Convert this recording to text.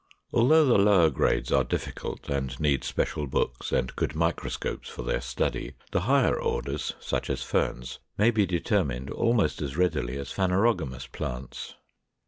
Although the lower grades are difficult, and need special books and good microscopes for their study, the higher orders, such as Ferns, may be determined almost as readily as phanerogamous plants.